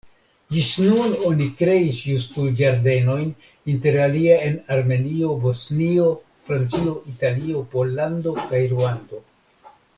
Ĝis nun oni kreis Justul-Ĝardenojn interalie en Armenio, Bosnio, Francio, Italio, Pollando kaj Ruando.